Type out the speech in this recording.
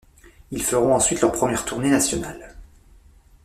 Ils feront ensuite leur première tournée nationale.